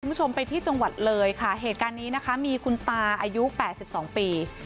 คุณผู้ชมไปที่จังหวัดเลยค่ะเหตุการณ์นี้นะคะมีคุณตาอายุ๘๒ปี